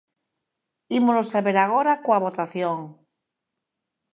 Ímolo saber agora coa votación.